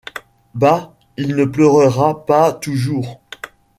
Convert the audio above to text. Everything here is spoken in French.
Bah ! il ne pleurera pas toujours.